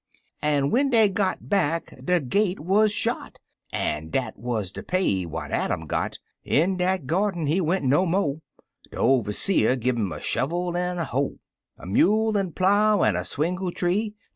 An' when dey got back, de gate wuz shot, An' dat wuz de pay what Adam got In dat gyarden he went no mo'; De overseer gi' 'im a shovel an' a hoe, A mule an' plow, an' a swingletree.